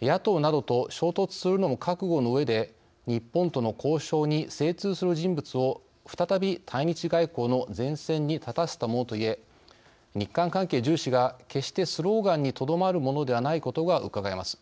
野党などと衝突するのも覚悟のうえで日本との交渉に精通する人物を再び対日外交の前線に立たせたものといえ日韓関係重視が決して、スローガンにとどまるものではないことがうかがえます。